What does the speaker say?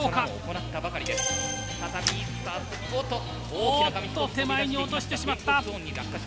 おっと手前に落としてしまった！